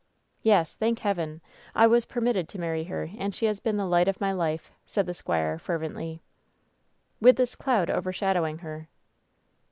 "Yes, thank Heaven, I was permitted to marry her, and she has been the light of .my life," said the squire, fervently. "With this cloud overshadowing her."